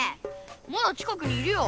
まだ近くにいるよ。